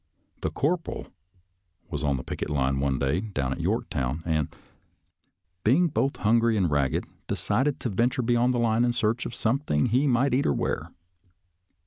The corporal was on the picket line one day down at Yorktown, and, be ing both hungry and ragged, decided to venture IN AND ABOUND RICHMOND 109 beyond the line in search of something he might eat or wear.